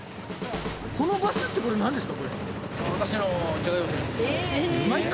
このバスってこれなんですか？